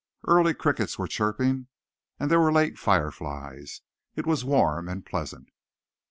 Early crickets were chirping, and there were late fire flies. It was warm and pleasant.